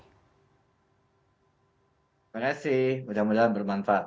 terima kasih mudah mudahan bermanfaat